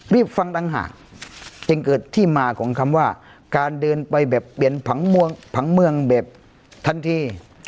รีบฟังต่างหากจึงเกิดที่มาของคำว่าการเดินไปแบบเปลี่ยนผังเมืองผังเมืองแบบทันที